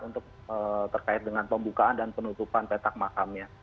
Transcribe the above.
untuk terkait dengan pembukaan dan penutupan petak makamnya